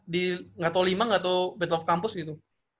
di gatau lima gatau battle of campus gitu